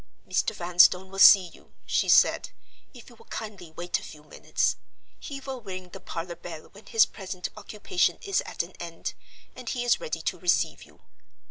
"Mr. Vanstone will see you," she said, "if you will kindly wait a few minutes. He will ring the parlor bell when his present occupation is at an end, and he is ready to receive you.